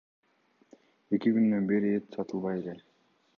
Эки күндөн бери эт сатылбай эле.